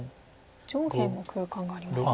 上辺も空間がありますね。